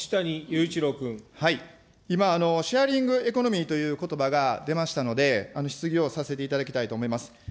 今、シェアリングエコノミーということばが出ましたので、質疑をさせていただきたいと思います。